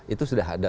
itu sudah ada